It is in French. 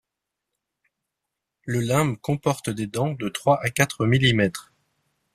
Le limbe comporte des dents de trois à quatre millimètres.